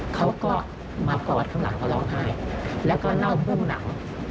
เขาก็มากอดข้างหลังเขาร้องไห้แล้วก็เน่าเบื้องหลัง